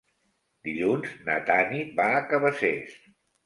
Dilluns na Tanit va a Cabacés.